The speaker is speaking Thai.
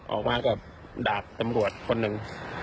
ออกมากับดาบตำรวจคนหนึ่ง